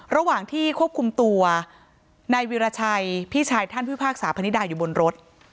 ระหว่างที่ควบคุมตัวนายวิราชัยพี่ชายท่านพิพากษาพนิดาอยู่บนรถ